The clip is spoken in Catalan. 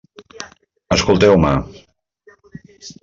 Escolteu-me.